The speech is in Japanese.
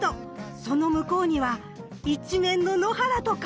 その向こうには一面の野原と川！